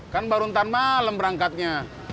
kan baru ntar malam berangkatnya